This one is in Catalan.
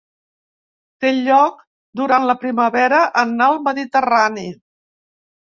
Té lloc durant la primavera en el Mediterrani.